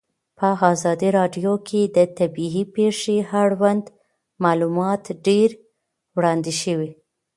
په ازادي راډیو کې د طبیعي پېښې اړوند معلومات ډېر وړاندې شوي.